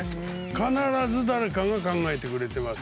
必ず誰かが考えてくれてます。